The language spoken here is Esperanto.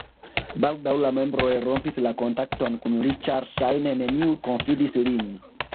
Baldaŭ la membroj rompis la kontakton kun li ĉar ŝajne neniu konfidis lin.